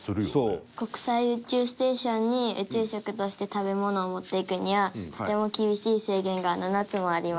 国際宇宙ステーションに宇宙食として食べ物を持っていくにはとても厳しい制限が７つもあります。